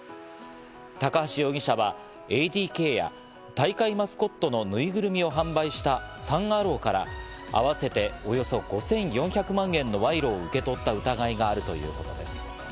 高橋容疑者はＡＤＫや大会マスコットのぬいぐるみを販売したサン・アローからあわせておよそ５４００万円の賄賂を受け取った疑いがあるということです。